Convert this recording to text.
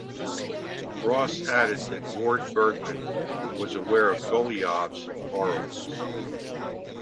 Ross added that Ward-Bergeman was aware of Golijov's borrowings.